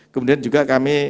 kemudian juga kami